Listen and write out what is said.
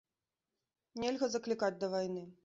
Нельга заклікаць да вайны.